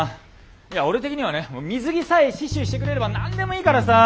いや俺的にはね水着さえ死守してくれれば何でもいいからさあ。